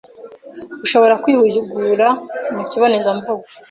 ushobora kwihugura mu kibonezamvugo